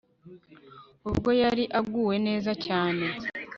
ubwo yari aguwe neza cyane